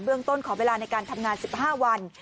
เรื่องต้นขอเวลาในการทำงาน๑๕วัน